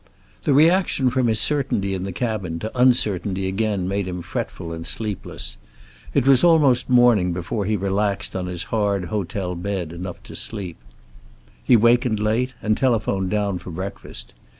The reaction from his certainty in the cabin to uncertainty again made him fretful and sleepless. It was almost morning before he relaxed on his hard hotel bed enough to sleep. He wakened late, and telephoned down for breakfast.